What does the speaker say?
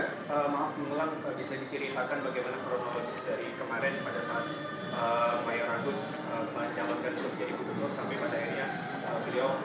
maaf mengulang bisa diceritakan bagaimana kronologis dari kemarin pada saat mayor agus menjalankan untuk menjadi bukit blok sampai pada akhirnya